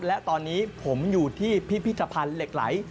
และตอนนี้ผมอยู่ที่พิพิธภัณฑ์เหล็กไหล